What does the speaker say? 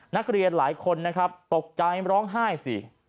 นักเรียนหลายคนตกใจร้องไห้สิ